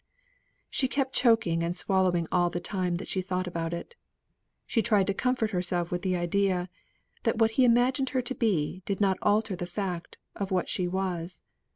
She kept choking and swallowing all the time that she thought about it. She tried to comfort herself with the idea, that what he imagined her to be, did not alter the fact of what she was.